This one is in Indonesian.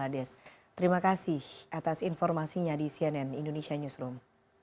terima kasih atas informasinya di cnn indonesia newsroom